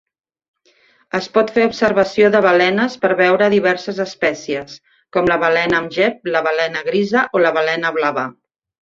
Es pot fer observació de balenes per veure diverses espècies, com la balena amb gep, la balena grisa o la balena blava.